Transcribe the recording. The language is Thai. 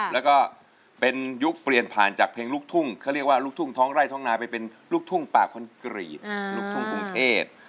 แล้วก็เป็นยุคเปลี่ยนผ่านจากเพลงลูกทุ่งเขาเรียกว่าลูกทุ่งท้องไร่ท้องนาไปเป็นลูกทุ่งป่าคอนกรีตลูกทุ่งกรุงเทพ